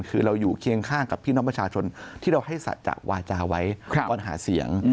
คือเราอยู่เคียงข้างกับพี่น้องประชาชนที่เราให้สัจจะวาจาไว้ตอนหาเสียง